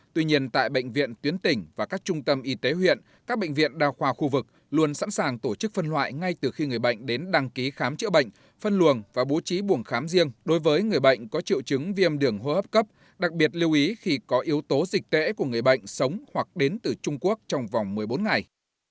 tuy nhiên tại bệnh viện tuyến tỉnh và các trung tâm y tế huyện các bệnh viện đa khoa khu vực luôn sẵn sàng tổ chức phân loại ngay từ khi người bệnh đến đăng ký khám chữa bệnh phân luồng và bố trí buồng khám riêng đối với người bệnh có triệu chứng viêm đường hô hấp cấp đặc biệt lưu ý khi có yếu tố dịch tễ của người bệnh sống hoặc đến từ trung quốc trong vòng một mươi bốn ngày